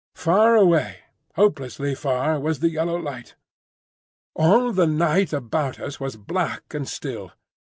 Far away, hopelessly far, was the yellow light. All the night about us was black and still.